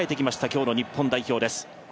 今日の日本代表です。